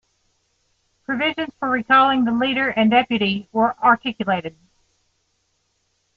Provisions for recalling the Leader and Deputy were articulated.